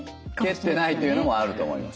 蹴ってないというのもあると思います。